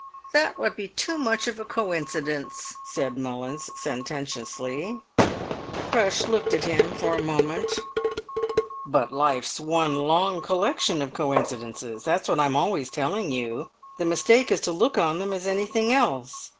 "That would be too much of a coincidence," said Mullins, sententiously. Thrush looked at him for a moment. "But life's one long collection of coincidences! That's what I'm always telling you; the mistake is to look on them as anything else.